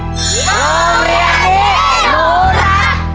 โรงเรียนนี้หนูรัก